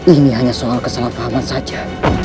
ini hanya soal kesalahpahaman saja